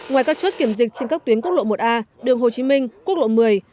ngoài các chốt kiểm dịch trên các tuyến quốc lộ một a đường hồ chí minh quốc lộ một mươi